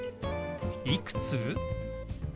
「いくつ？」。